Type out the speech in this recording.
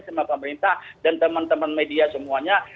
sama pemerintah dan teman teman media semuanya